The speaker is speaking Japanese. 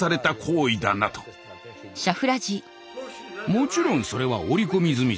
もちろんそれは織り込み済みさ。